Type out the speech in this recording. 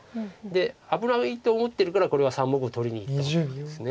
で危ないと思ってるからこれは３目を取りにいったわけなんです。